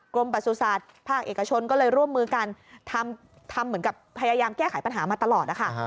ประสุทธิ์ภาคเอกชนก็เลยร่วมมือกันทำเหมือนกับพยายามแก้ไขปัญหามาตลอดนะคะ